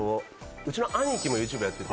うちの兄貴もＹｏｕＴｕｂｅやってて。